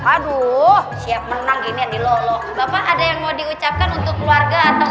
aduh siap menang gini adilolo bapak ada yang mau diucapkan untuk keluarga atau